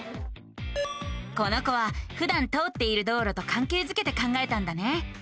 この子はふだん通っている道路とかんけいづけて考えたんだね。